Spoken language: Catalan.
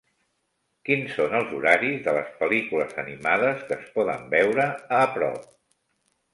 quins són els horaris de les pel·lícules animades que es poden veure a prop